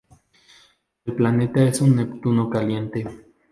El planeta es un Neptuno caliente.